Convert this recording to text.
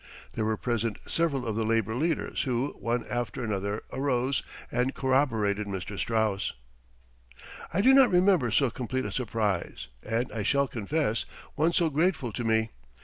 There were present several of the labor leaders who, one after another, arose and corroborated Mr. Straus. I do not remember so complete a surprise and, I shall confess, one so grateful to me.